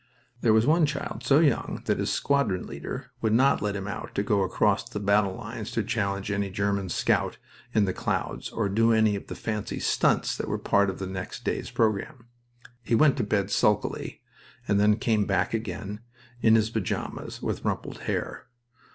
There was one child so young that his squadron leader would not let him go out across the battle lines to challenge any German scout in the clouds or do any of the fancy "stunts" that were part of the next day's program. He went to bed sulkily, and then came back again, in his pajamas, with rumpled hair.